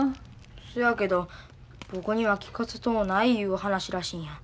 そやけど僕には聞かせとうないいう話らしいんや。